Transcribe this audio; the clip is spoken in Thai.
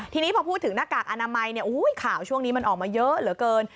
ทีนี้พอพูดถึงหน้ากากอนามัยข่าวช่วงนี้มันออกมาเยอะเหลือเกิน